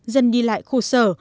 dần đi lại khô sở